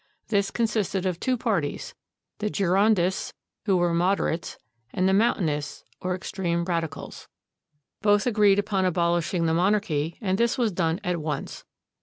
This consisted of two parties, the Girondists, who were mod erates, and the Mountainists, or extreme radicals. Both agreed upon abolishing the monarchy, and this was done at once.